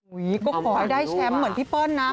ก็ขอให้ได้แชมป์เหมือนพี่เปิ้ลนะ